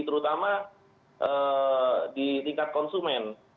terutama di tingkat konsumen